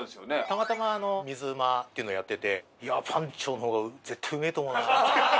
たまたま水うまっていうのをやってていやパンチョの方が絶対うめえと思うなって。